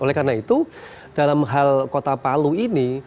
oleh karena itu dalam hal kota palu ini